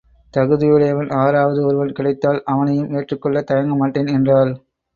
தகுதியுடையவன் ஆறாவது ஒருவன் கிடைத்தால் அவனையும் ஏற்றுக் கொள்ளத் தயங்கமாட்டேன் என்றாள்.